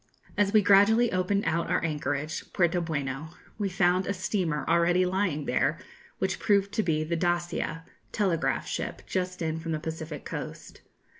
] As we gradually opened out our anchorage Puerto Bueno we found a steamer already lying there, which proved to be the 'Dacia,' telegraph ship, just in from the Pacific coast.